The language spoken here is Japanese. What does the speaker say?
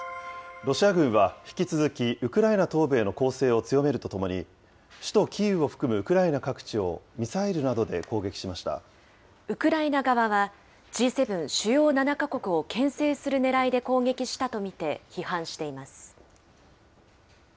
ロシア軍は引き続きウクライナ東部への攻勢を強めるとともに、首都キーウを含むウクライナ各地をウクライナ側は、Ｇ７・主要７か国をけん制するねらいで攻撃したと見て、批判しています。